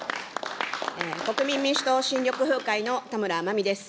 国民民主党・新緑風会の田村まみです。